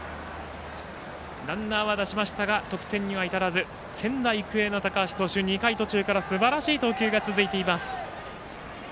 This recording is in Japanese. ランナーは出しましたが得点には至らず仙台育英の高橋投手２回途中からすばらしい投球が続いています。